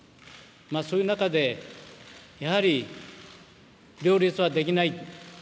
そういう中でやはり両立はできない。